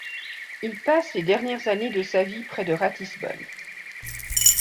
Il passe les dernières années de sa vie près de Ratisbonne.